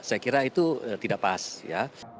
saya kira itu tidak pas ya